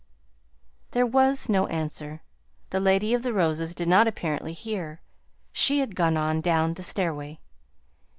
There was no answer. The Lady of the Roses did not apparently hear. She had gone on down the stairway.